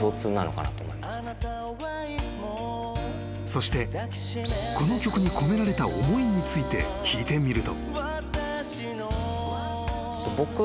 ［そしてこの曲に込められた思いについて聞いてみると］